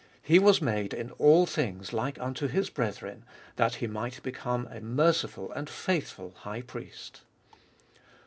He was made in all things like unto His brethren, that He might become a merciful and faithful High Priest.